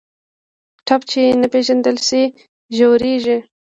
ټپ چې نه پېژندل شي، ژورېږي.